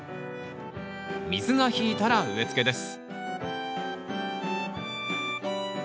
水が引いたら植えつけです